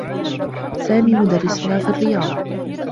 سامي مدرّسنا في الرّياضة.